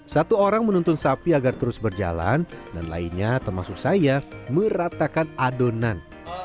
satu orang menuntun sapi agar terus berjalan dan lainnya termasuk saya meratakan adonan